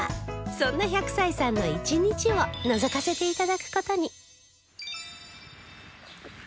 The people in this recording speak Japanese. そんな１００歳さんの一日をのぞかせて頂く事に